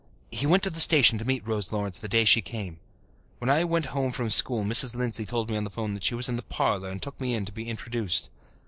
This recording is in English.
He went to the station to meet Rose Lawrence the day she came. When I went home from school Mrs. Lindsay told me she was in the parlour and took me in to be introduced.